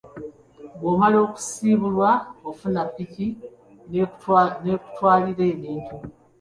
Bw'omala okusiibulwa, ofuna pikiki n'ekutwalira ebintu.